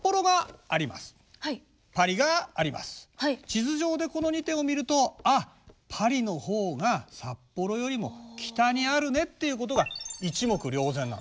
地図上でこの２点を見るとあっパリのほうが札幌よりも北にあるねっていうことが一目瞭然なんだね。